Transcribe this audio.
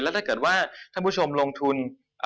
ถ้าเกิดว่าท่านผู้ชมลงทุน